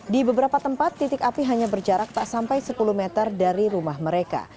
di beberapa tempat titik api hanya berjarak tak sampai sepuluh meter dari rumah mereka